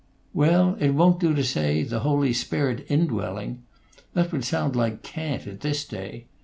"Well, it won't do to say, the Holy Spirit indwelling. That would sound like cant at this day.